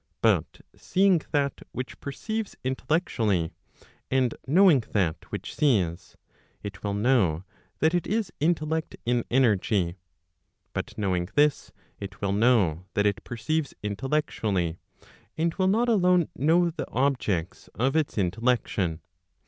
But seeing that which perceives intellectually, and knowing that which sees, it will know that it is intellect in energy. But knowing this, it will know that it perceives intellectually, and will not alone know the objects of its intellection.